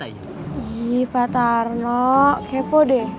ih pak tarno kepo deh